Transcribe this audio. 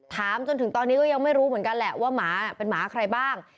จนถึงตอนนี้ก็ยังไม่รู้เหมือนกันแหละว่าหมาเป็นหมาใครบ้าง